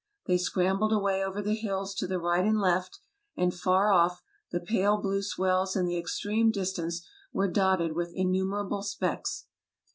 They scrambled away over the hills to the right and left; and far off, the pale blue swells in the extreme distance were dotted with innumerable specks.